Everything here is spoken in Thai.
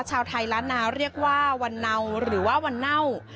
ชาวไทยล้านนาเรียกว่าวันเนาหรือว่าวันเน่า